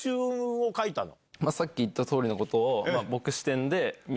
さっき言った通りのことを。